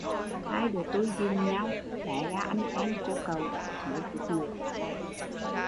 Hai đứa tui dìn nhau, té ra anh em cô cậu, thiếu chút nữa